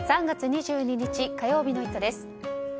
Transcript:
３月２２日、火曜日の「イット！」です。